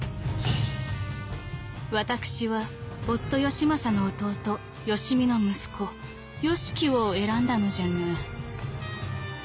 「私は夫義政の弟義視の息子義材を選んだのじゃが」。